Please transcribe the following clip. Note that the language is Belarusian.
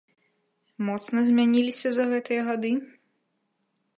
Моцна змяніліся за гэтыя гады?